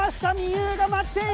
有が待っている！